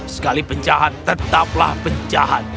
sekali penjahat tetaplah penjahat